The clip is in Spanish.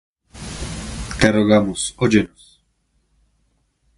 Te rogamos, óyenos.